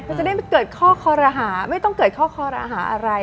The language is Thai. มันจะได้เกิดข้อคอรหาไม่ต้องเกิดข้อคอรหาอะไร